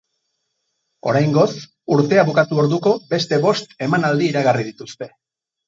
Oraingoz, urtea bukatu orduko, beste bost emanaldi iragarri dituzte.